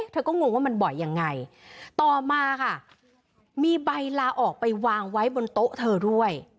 เธอก็งงว่ามันบ่อยยังไงต่อมาค่ะมีใบลาออกไปวางไว้บนโต๊ะเธอด้วย